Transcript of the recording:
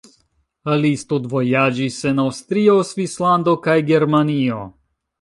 Li studvojaĝis en Aŭstrio, Svislando kaj Germanio.